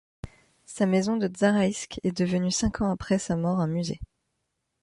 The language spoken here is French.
Sa maison de Zaraïsk est devenue, cinq ans après sa mort, un musée.